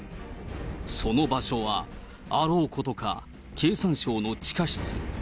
その場所は、あろうことか、経産省の地下室。